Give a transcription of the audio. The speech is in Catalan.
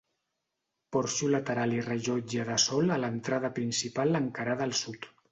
Porxo lateral i rellotge de sol a l'entrada principal encarada al sud.